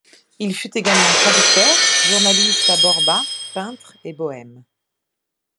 Il fut également traducteur, journaliste à Borba, peintre et bohème.